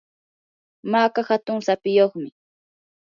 maka hatun sapiyuqmi.